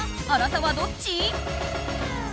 あなたはどっち？